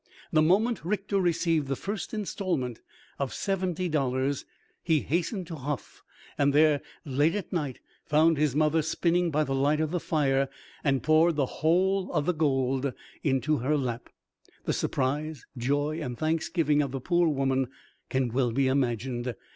The moment Richter received the first instalment of seventy dollars, he hastened to Hof, and there, late at night, found his mother spinning by the light of the fire, and poured the whole of the gold into her lap. The surprise, joy, and thanksgiving of the poor woman can well be imagined.